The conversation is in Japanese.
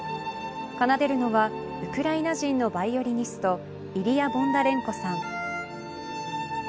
奏でるのはウクライナ人のバイオリニストイリア・ボンダレンコさん。